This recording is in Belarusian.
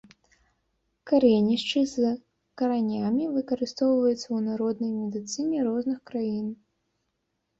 Карэнішчы з каранямі выкарыстоўваюцца ў народнай медыцыне розных краін.